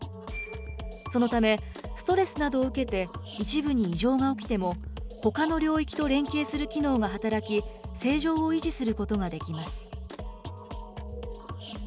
そのためストレスなどを受けて、一部に異常が起きても、ほかの領域と連携する機能が働き、正常を維持することができます。